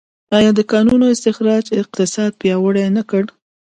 آیا د کانونو استخراج اقتصاد پیاوړی نه کړ؟